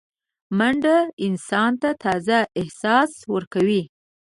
منډه انسان ته تازه احساس ورکوي